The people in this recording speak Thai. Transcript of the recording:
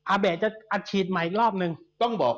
อัเบะอัดชีดใหม่อีกรอบนึง